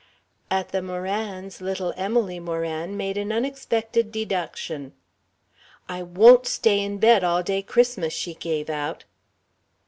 At the Morans, little Emily Moran made an unexpected deduction: "I won't stay in bed all day Christmas!" she gave out.